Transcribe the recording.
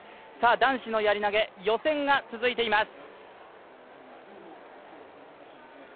男子のやり投予選が続いています。